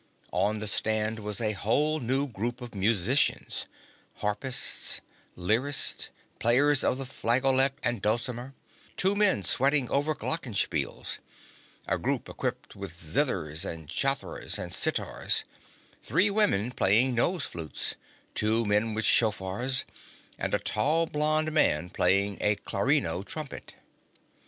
On the stand was a whole new group of musicians: harpists, lyrists, players of the flageolet and dulcimer, two men sweating over glockenspiels, a group equipped with zithers and citharas and sitars, three women playing nose flutes, two men with shofars, and a tall, blond man playing a clarino trumpet.